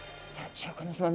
シャーク香音さま